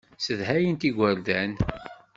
Ssedhayent igerdan.